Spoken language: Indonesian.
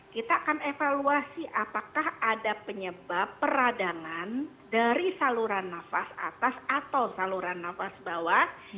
kita akan evaluasi apakah ada penyebab peradangan dari saluran nafas atas atau saluran nafas bawah